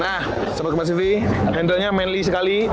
nah sebagai mas sivy handle nya manly sekali